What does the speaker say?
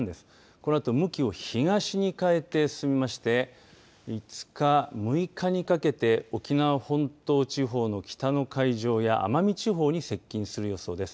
このあと向きを東に変えて進みまして５日、６日にかけて沖縄本島地方の北の海上や奄美地方に接近する予想です。